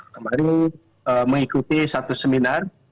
kemarin mengikuti satu seminar